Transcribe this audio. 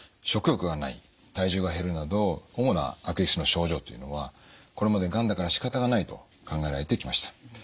食欲がない体重が減るなど主な悪液質の症状というのはこれまで「がんだからしかたがない」と考えられてきました。